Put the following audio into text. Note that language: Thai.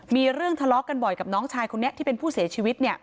มีเรื่องทะเลาะกันบ่อยกับน้องชายคนนี้ที่เป็นผู้เสียชีวิต